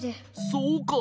そうか！